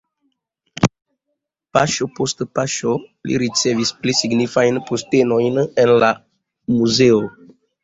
Paŝo post paŝo li ricevis pli signifajn postenojn en la muzeo.